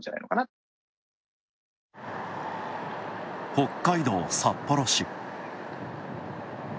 北海道札幌市。